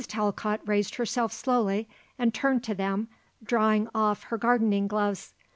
Talcott raised herself slowly and turned to them, drawing off her gardening gloves.